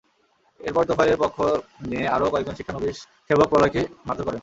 এরপর তোফায়েলের পক্ষ নিয়ে আরও কয়েকজন শিক্ষানবিশ সেবক প্রলয়কে মারধর করেন।